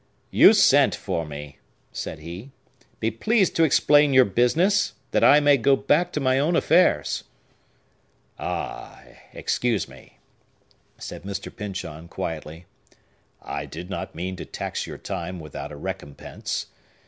"You sent for me," said he. "Be pleased to explain your business, that I may go back to my own affairs." "Ah! excuse me," said Mr. Pyncheon quietly. "I did not mean to tax your time without a recompense.